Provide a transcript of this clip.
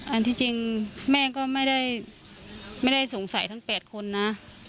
อันที่จริงแม่ก็ไม่ได้สงสัยทั้ง๘คนนะ